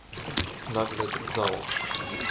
Nagle drgnął.